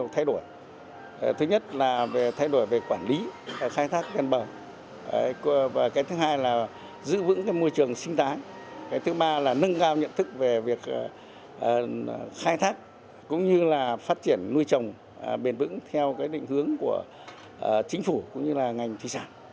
theo định hướng của chính phủ cũng như là ngành thủy sản trong thời gian tới